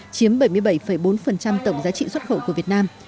chiếm bảy mươi bảy bốn tổng giá trị xuất khẩu của việt nam